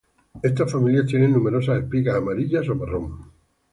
Estas ramillas tienen numerosas espigas amarillas o marrón.